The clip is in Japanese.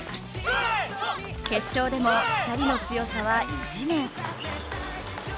決勝でも２人の強さは異次元。